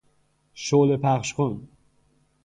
شعله پخش کن